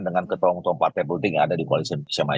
dengan ketelung telung partai politik yang ada di pilih